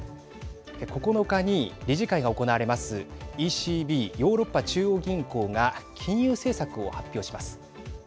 ９日に理事会が行われますＥＣＢ＝ヨーロッパ中央銀行が金融政策を発表します。